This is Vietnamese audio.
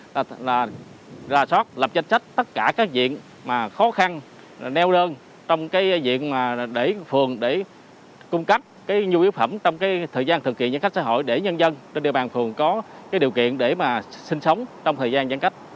là ra sót lập danh sách tất cả các diện mà khó khăn neo đơn trong cái diện mà để phường để cung cấp cái nhu yếu phẩm trong thời gian thực hiện giãn cách xã hội để nhân dân trên địa bàn phường có cái điều kiện để mà sinh sống trong thời gian giãn cách